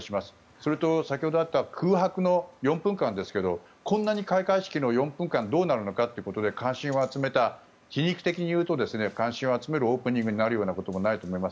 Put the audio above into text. それと先ほどあった空白の４分間ですがこんなに開会式の４分間がどうなるのかってことで関心を集めた皮肉的に言うと関心を集めるオープニングになることはないと思います。